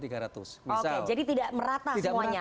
oke jadi tidak merata semuanya